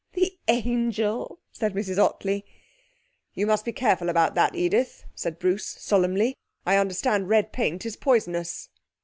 'The angel!' said Mrs Ottley. 'You must be careful about that, Edith,' said Bruce solemnly. 'I understand red paint is poisonous.'